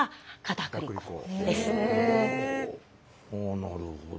なるほど。